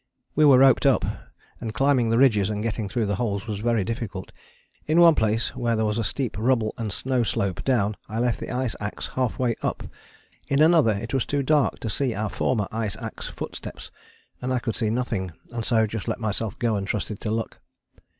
We were roped up, and climbing the ridges and getting through the holes was very difficult. In one place where there was a steep rubble and snow slope down I left the ice axe half way up; in another it was too dark to see our former ice axe footsteps, and I could see nothing, and so just let myself go and trusted to luck.